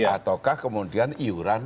ataukah kemudian iuran